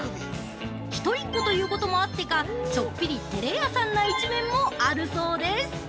一人っ子ということもあってか、ちょっぴり照れ屋さんな一面もあるそうです！